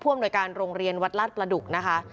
ที่ผ่วมโดยงานโรงเรียนวัตรลาต์ประดุกนะคะ